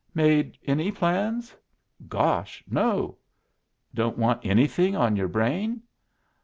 "Made any plans?" "Gosh, no!" "Don't want anything on your brain?"